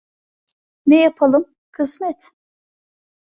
Ne yapalım, kısmet.